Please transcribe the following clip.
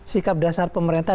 sikap dasar pemerintah